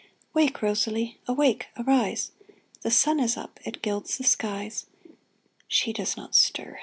Wake, Rosalie ! Awake ! arise ! The sun is up, it gilds the skies. She does not stir.